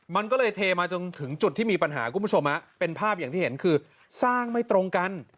มันก็เลยเทมาจนถึงจุดที่มีปัญหาคุณผู้ชมเป็นภาพอย่างที่เห็นคือสร้างไม่ตรงกัน